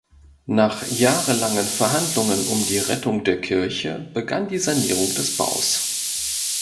Nach jahrelangen Verhandlungen um die Rettung der Kirche begann die Sanierung des Baus.